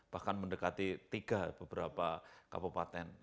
bahkan mendekati tiga beberapa kabupaten